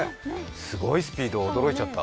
すごいスピード、驚いちゃった。